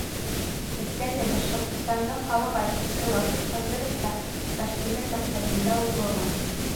Әйткәндәй, Башҡортостандың халыҡ артисы Вахит Хызыров та Таштимер мәктәбендә уҡыған.